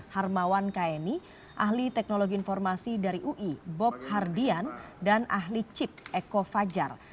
harmawan kaeni ahli teknologi informasi dari ui bob hardian dan ahli chip eko fajar